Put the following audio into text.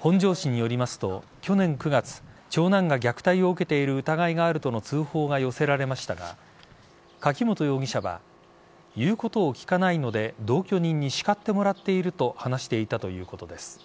本庄市によりますと去年９月長男が虐待を受けている疑いがあるとの通報が寄せられましたが柿本容疑者は言うことを聞かないので同居人にしかってもらっていると話していたということです。